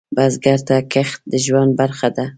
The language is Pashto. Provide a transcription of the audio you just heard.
بزګر ته کښت د ژوند برخه ده